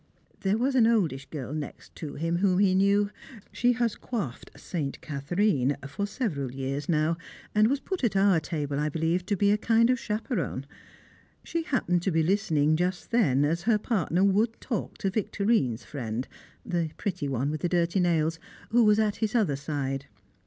There was an oldish girl next to him whom he knew; she has coiffed St. Catherine for several years now, and was put at our table, I believe, to be a kind of chaperon. She happened to be listening just then, as her partner would talk to Victorine's friend the pretty one with the dirty nails who was at his other side.